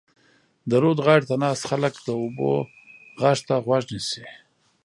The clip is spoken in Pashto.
د رود غاړې ته ناست خلک د اوبو غږ ته غوږ نیسي.